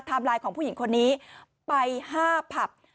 ไลน์ของผู้หญิงคนนี้ไป๕ผับ